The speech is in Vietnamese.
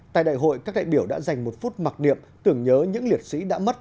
tại đại hội các đại biểu đã dành một phút mặc niệm tưởng nhớ những liệt sĩ đã mất